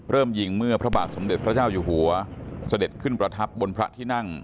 เริ่มยิงเมื่อพระบาทสมเด็จพระเจ้าอยู่หัวเสด็จขึ้นประทับบนพระที่นั่ง